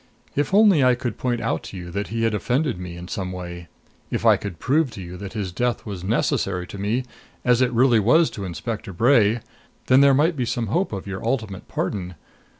If only I could point out to you that he had offended me in some way; if I could prove to you that his death was necessary to me, as it really was to Inspector Bray then there might be some hope of your ultimate pardon.